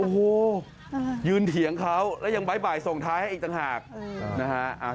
โอ้โหยืนเถียงเขาแล้วยังบ๊ายบ่ายส่งท้ายให้อีกต่างหากนะฮะ